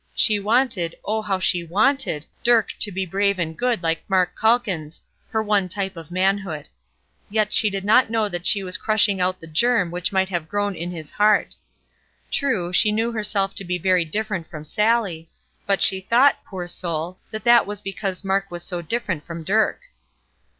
She wanted, oh, how she wanted Dirk to be brave and good like Mark Calkins her one type of manhood. Yet she did not know that she was crushing out the germ which might have grown in his heart. True, she knew herself to be very different from Sallie, but the thought, poor soul, that that was because Mark was so different from Dirk.